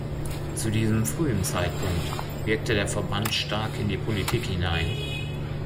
Zu diesem frühen Zeitpunkt wirkte der Verband stark in die Politik hinein.